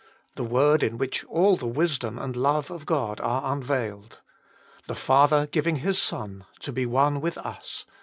the word in which all the wisdom and love of God are unveiled ! The Father giving His Son to be one with us